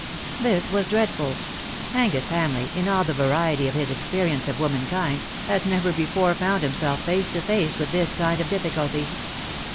This was dreadful. Angus Hamleigh, in all the variety of his experience of womankind, had never before found himself face to face with this kind of difficulty.